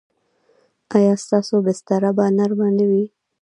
ایا ستاسو بستره به نرمه نه وي؟